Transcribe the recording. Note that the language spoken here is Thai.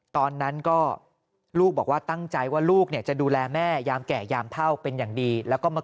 ตอนนั้นก็ลูกบอกว่าตั้งใจว่าลูกเนี่ยจะดูแลแม่ยามแก่ยามเท่าเป็นอย่างดีแล้วก็มา